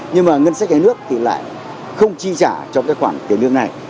nhưng mà ngân sách nhà nước thì lại không chi trả cho cái khoản tiền lương này